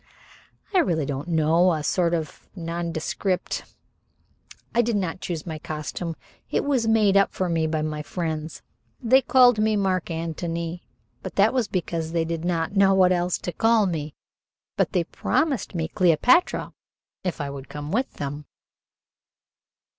"I really don't know a sort of nondescript. I did not choose my costume; it was made up for me by my friends. They called me Mark Antony, but that was because they did not know what else to call me. But they promised me Cleopatra if I would come with them."